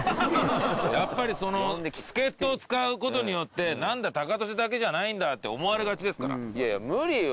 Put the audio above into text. やっぱりその助っ人を使うことによってうんうん何だタカトシだけじゃないんだって思われがちですからいやいや無理よ